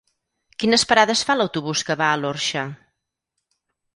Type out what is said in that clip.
Quines parades fa l'autobús que va a l'Orxa?